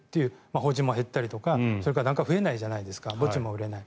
法人も減ったりとかそれから檀家が増えないじゃないですか墓地も売れない。